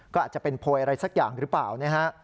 ก็อาจจะเป็นโพยอะไรสักอย่างหรือเปล่านะฮะ